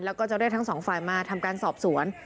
แล้วก็จะเรียกทั้งสองฝ่ายมาทำการสอบสวน